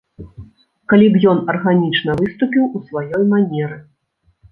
Калі б ён арганічна выступіў у сваёй манеры.